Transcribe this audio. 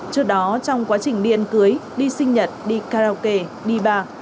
trước đó trong quá trình đi ăn cưới đi sinh nhật đi karaoke đi ba